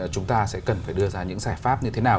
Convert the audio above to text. chúng ta sẽ cần phải đưa ra những giải pháp như thế nào